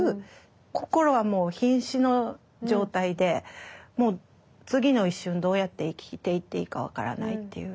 心はもうひん死の状態で次の一瞬どうやって生きていっていいか分からないっていう。